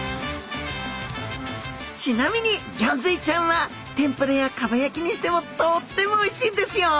ちなみにギョンズイちゃんは天ぷらやかば焼きにしてもとってもおいしいんですよ。